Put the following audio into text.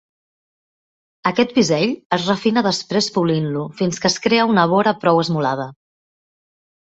Aquest bisell es refina després polint-lo fins que es crea una vora prou esmolada.